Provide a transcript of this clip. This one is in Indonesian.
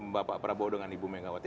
bapak prabowo dengan ibu megawati